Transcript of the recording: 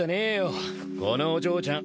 このお嬢ちゃん